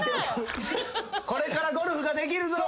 これからゴルフができるぞっていう。